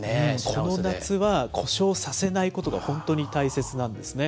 この夏は故障させないことが本当に大切なんですね。